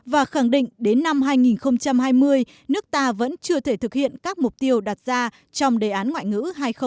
và khẳng định đến năm hai nghìn hai mươi nước ta vẫn chưa thể thực hiện các mục tiêu đặt ra trong đề án ngoại ngữ hai nghìn hai mươi